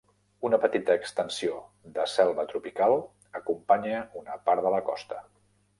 Una petita extensió de selva tropical acompanya una part de la costa.